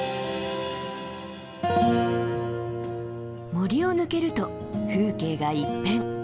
森を抜けると風景が一変。